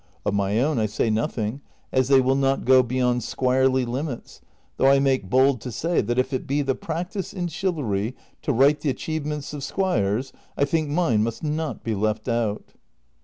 Of my own I say noth ing, as they will not go beyond squirely limits, though I make bold to say that, if it be the practice in chivalry to write the achievements of squires, I think mine must not be left out."